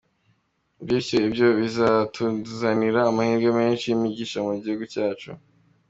Bityo ibyo bizatuzanira amahirwe menshi n’imigisha mu gihugu cyacyu.